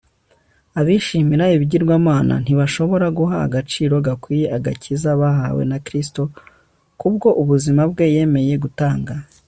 abishimira ibi bigirwamana ntibashobora guha agaciro gakwiriye agakiza bahawe na kristo kubwo ubuzima bwe yemeye gutanga